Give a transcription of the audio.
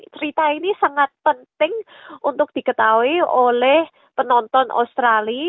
cerita ini sangat penting untuk diketahui oleh penonton australia